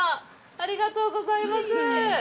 ありがとうございます。